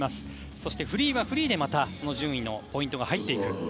そしてフリーはフリーで順位のポイントが入っていく。